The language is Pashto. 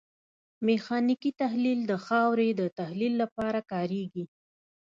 میخانیکي تحلیل د خاورې د تحلیل لپاره کاریږي